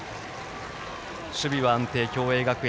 守備は安定、共栄学園